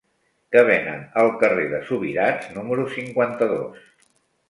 Què venen al carrer de Subirats número cinquanta-dos?